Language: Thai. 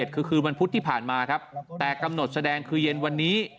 คือคืนวันพุธที่ผ่านมาครับแต่กำหนดแสดงคือเย็นวันนี้